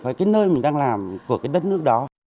hay cái nơi mình đang làm của cái đất nước đó